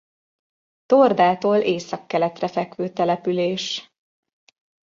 Tordától északkeletre fekvő település.